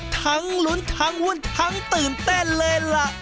ทั้งลุ้นทั้งวุ่นทั้งตื่นเต้นเลยล่ะ